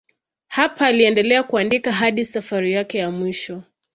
Hapa aliendelea kuandika hadi safari yake ya mwisho.